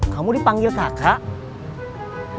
kamu dipanggil kakak